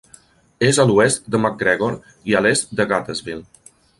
És a l'oest de McGregor i a l'est de Gatesville.